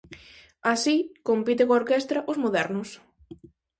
Así, compite coa orquestra Os Modernos.